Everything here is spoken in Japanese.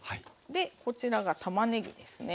でこちらがたまねぎですね。